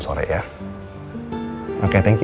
oke terima kasih